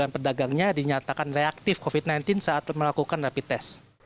sembilan pedagangnya dinyatakan reaktif covid sembilan belas saat melakukan rapid test